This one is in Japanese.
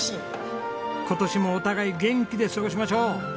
今年もお互い元気で過ごしましょう！